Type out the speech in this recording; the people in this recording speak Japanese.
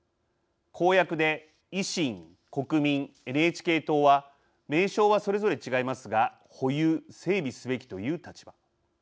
公約で、維新・国民・ＮＨＫ党は名称は、それぞれ違いますが保有・整備すべきという立場。